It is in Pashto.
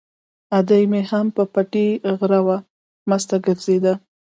ادې مې هم په پټي غره وه، مسته ګرځېده.